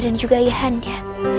dan juga iahandia